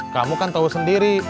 kamu kan tau sendiri